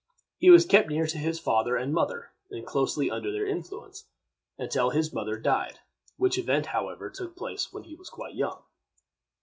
He was kept near to his father and mother, and closely under their influence, until his mother died, which event, however, took place when he was quite young.